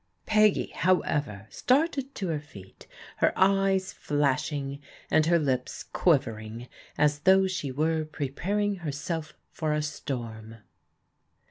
Peggy, however, started to her feet, her eyes flashing, and her lips quivering, as though she were preparing herself for a storm.